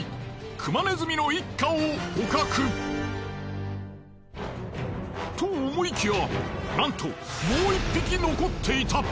クマネズミの一家を捕獲。と思いきやなんともう１匹残っていた！